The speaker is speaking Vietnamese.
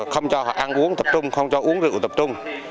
không cho họ ăn uống tập trung không cho uống rượu tập trung